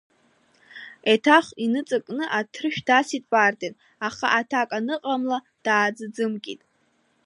Еиҭах иныҵакны атрышә дасит Варден, аха аҭак аныҟамла, дааӡыӡымкит.